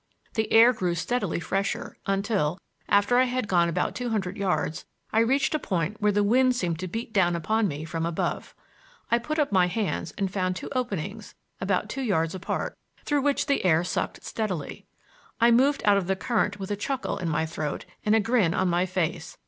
The air grew steadily fresher, until, after I had gone about two hundred yards, I reached a point where the wind seemed to beat down on me from above. I put up my hands and found two openings about two yards apart, through which the air sucked steadily. I moved out of the current with a chuckle in my throat and a grin on my face.